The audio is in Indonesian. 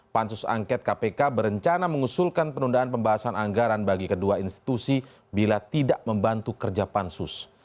pansus angket kpk berencana mengusulkan penundaan pembahasan anggaran bagi kedua institusi bila tidak membantu kerja pansus